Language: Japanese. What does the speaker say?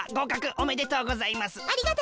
ありがとうございます。